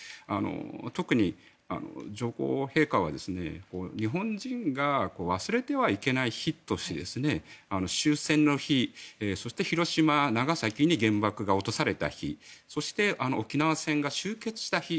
特に、上皇陛下は、日本人が忘れてはいけない日として終戦の日、そして広島、長崎に原爆が落とされた日そして沖縄戦が終結した日。